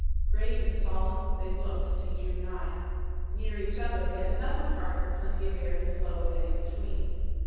Great and solemn they looked as he drew nigh near each other, yet enough apart for plenty of air to flow and eddy between.